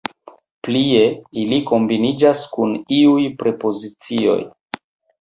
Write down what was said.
Plie, ili kombiniĝas kun iuj prepozicioj.